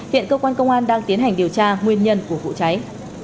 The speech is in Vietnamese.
hiện cơ quan công an đang tiến hành điều tra nguyên nhân của vụ cháy